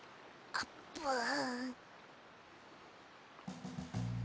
あーぷん！